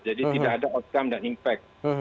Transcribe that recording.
tidak ada outcome dan impact